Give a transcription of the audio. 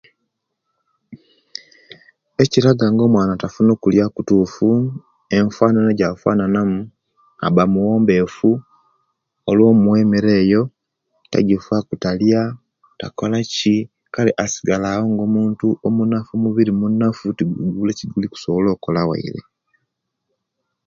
Ekiraga nga omwana tafuna okulya okutufu enfanana ja fanana mu aba muwombefu olwomuwa emere eyo tajifaku talya takola ki kale asigala awo nga omuntu omunafu omubiri munafu ti wabula ekigulikusobola waire